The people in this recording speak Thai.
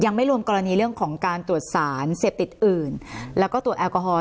ไม่รวมกรณีเรื่องของการตรวจสารเสพติดอื่นแล้วก็ตรวจแอลกอฮอล